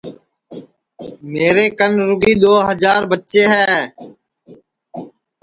میرے کن رُگی دؔو ہجار بچے ہے